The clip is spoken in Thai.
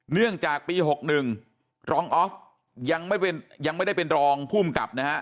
เนื่องจากปี๖๑รองออฟยังไม่ได้เป็นรองผู้มกลับนะฮะ